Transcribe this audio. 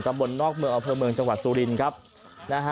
ตะปนนอกเมืองตำรวจสุรินส์